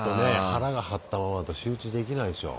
腹が張ったままだと集中できないでしょ。